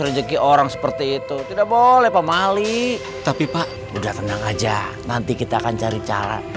rezeki orang seperti itu tidak boleh pak mali tapi pak udah tenang aja nanti kita akan cari cara